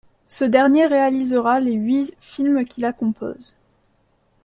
Ce dernier réalisera les huit films qui la composent.